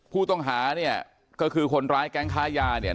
ผู้ต้องหาเนี่ยก็คือคนร้ายแก๊งค้ายาเนี่ย